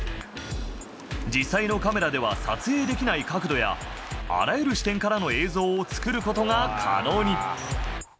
実際のカメラでは撮影できない角度や、あらゆる視点からの映像を作ることが可能に。